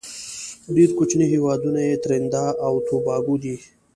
ډیر کوچینی هیوادونه یې تريندا او توباګو دی.